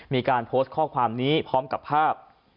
มีการโพสต์ข้อความนี้พร้อมกับภาพ